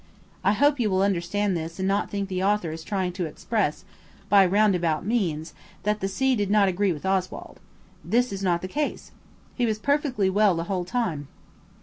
I hope you will understand this and not think the author is trying to express, by roundabout means, that the sea did not agree with Oswald. This is not the case. He was perfectly well the whole time.